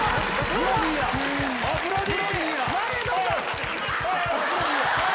ブロディ！